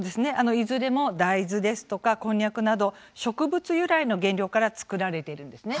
いずれも大豆ですとか、こんにゃくなど植物由来の原料から作られているんです。